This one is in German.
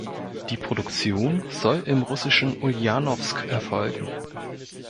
Die Produktion soll im russischen Uljanowsk erfolgen.